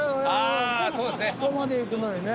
あそこまで行くのにね。